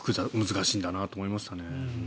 難しいんだなと思いましたね。